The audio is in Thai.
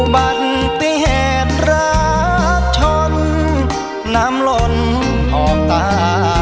บันติเหตุรักชนน้ำล้นออกตา